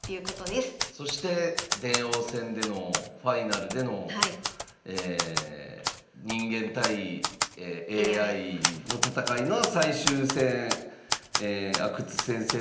そして電王戦でのファイナルでの人間対ＡＩの戦いの最終戦阿久津先生